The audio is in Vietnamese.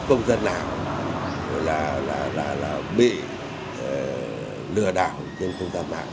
không có công dân nào bị lừa đảo trên công dân mạng